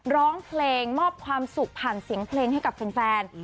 ร้องเพลงมอบความสุขผ่านเสียงเพลงให้กับแฟน